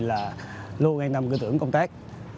luôn an tâm cư tưởng công tác